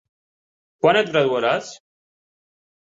Quan et graduaràs?